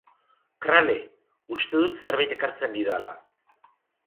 Crale... uste dut zerbait ekartzen didala...